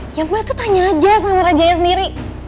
ya mbak itu tanya aja sama rajanya sendiri